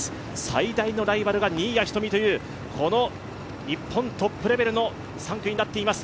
最大のライバルが新谷仁美という日本トップレベルの３区になっています。